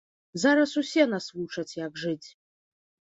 Зараз усе нас вучаць, як жыць.